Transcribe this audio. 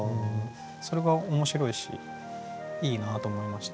それが面白いしいいなと思いました。